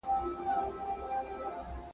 انټرنیټ زده کړه ډېره اسانه کوي.